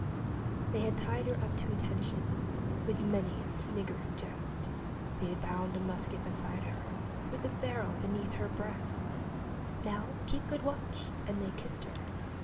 They had bound her up at attention, with many a sniggering jest! They had tied a rifle beside her, with the barrel beneath her breast! "Now keep good watch!" and they kissed her.